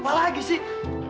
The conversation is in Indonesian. apa lagi sih